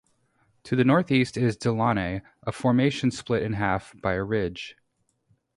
To the northeast is Delaunay, a formation split in half by a ridge.